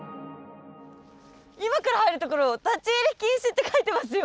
今から入るところ立ち入り禁止って書いてますよ。